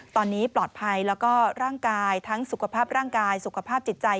ตอนนี้ปลอดภัยแล้วก็ร่างกายทั้งสุขภาพร่างกายสุขภาพจิตใจ